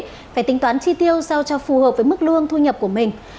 vì áp lực kinh tế phải tính toán chi tiêu sao cho phù hợp với mức lương thu nhập của mình